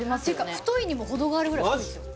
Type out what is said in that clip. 太いにも程があるぐらい太いですよ